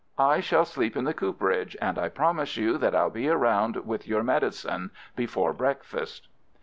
I shall sleep in the cooperage, and I promise you that I'll be round with your medicine before breakfast."